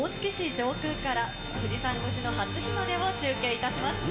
上空から、富士山越しの初日の出を中継いたします。